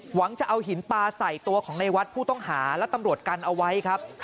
หวังจะเอาหินปลาใส่ตัวของในวัดผู้ต้องหาและตำรวจกันเอาไว้ครับ